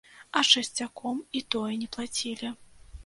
А часцяком і тое не плацілі.